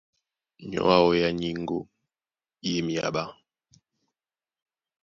Nyɔ̌ ǎō yá nyíŋgó í e myaɓá.